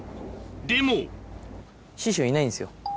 でも師匠いないんですよ。